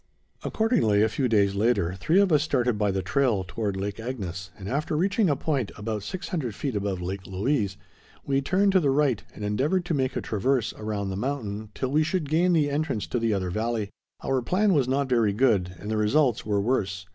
Accordingly, a few days later, three of us started by the trail toward Lake Agnes, and after reaching a point about 600 feet above Lake Louise, we turned to the right and endeavored to make a traverse around the mountain till we should gain the entrance to the other valley. Our plan was not very good and the results were worse.